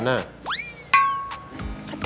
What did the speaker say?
ada mas di kamarnya